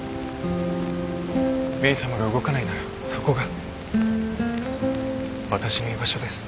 メイさまが動かないならそこがわたしの居場所です。